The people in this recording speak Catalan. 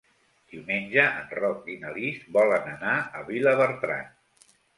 Diumenge en Roc i na Lis volen anar a Vilabertran.